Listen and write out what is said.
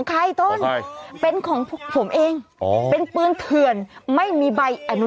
ช่วยเจียมช่วยเจียม